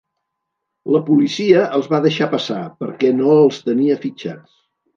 La policia els va deixar passar, perquè no els tenia fitxats.